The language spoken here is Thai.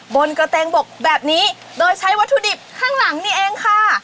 บนกระเตงบกแบบนี้โดยใช้วัตถุดิบข้างหลังนี่เองค่ะ